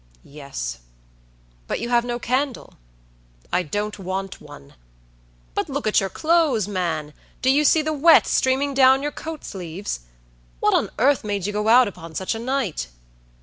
"Yes." "But you have no candle." "I don't want one." "But look at your clothes, man! Do you see the wet streaming down your coat sleeves? What on earth made you go out upon such a night?"